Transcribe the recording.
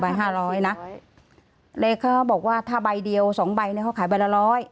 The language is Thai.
๔ใบ๕๐๐นะเลยเขาบอกว่าถ้าใบเดียว๒ใบเลยเขาขายใบละ๑๐๐